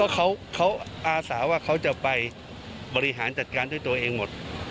เขาอาสาว่าเขาจะไปบริหารจัดการด้วยตัวเองหมด